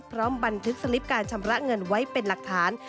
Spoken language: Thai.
พร้อมบันทึกสลิปการชำระเงินไว้เป็นหลักฐาน